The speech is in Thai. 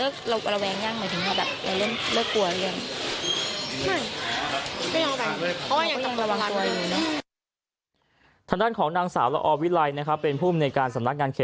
ก็เลยกลับมาที่นี่เวลาต่อไปก็คือให้ถามผู้ปกครองนะ